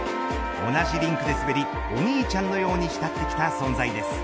同じリンクで滑りお兄ちゃんのように慕ってきた存在です。